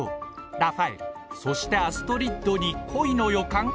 ラファエルそしてアストリッドに恋の予感？